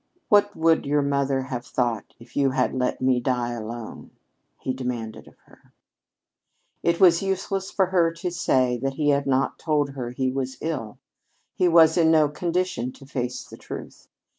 "What would your mother have thought if you had let me die alone?" he demanded of her. It was useless for her to say that he had not told her he was ill. He was in no condition to face the truth.